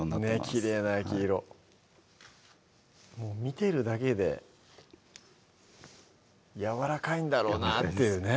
きれいな焼き色もう見てるだけでやわらかいんだろうなっていうね